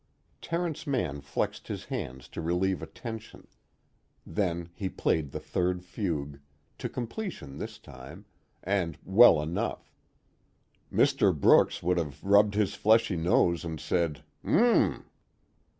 _ Terence Mann flexed his hands to relieve a tension; then he played the third Fugue, to completion this time, and well enough. Mr. Brooks would have rubbed his fleshy nose and said: "Mmm."